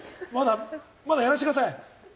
まだやらしてください！